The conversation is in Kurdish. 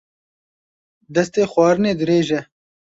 Destê xwarinê dirêj e